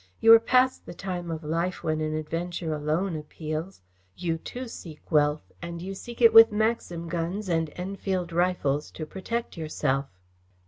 You are past the time of life when an adventure alone appeals. You too seek wealth, and you seek it with Maxim guns and Enfield rifles to protect yourself."